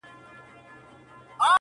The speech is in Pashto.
ویل راسه پر لېوه پوښتنه وکه٫